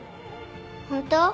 ホント？